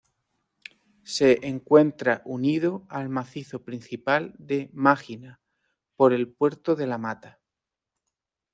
Se encuentra unido al macizo principal de Mágina por el puerto de La Mata.